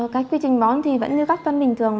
cái quy trình bón thì vẫn như các phân bình thường